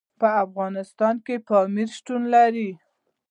په افغانستان کې پامیر شتون لري.